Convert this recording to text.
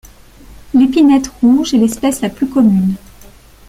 L'épinette rouge est l'espèce la plus commune.